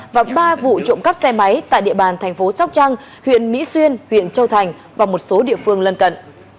và ba vụ trộm cắp xe máy tại địa bàn thành phố sóc trăng huyện mỹ xuyên huyện châu thành và một số địa phương lân cận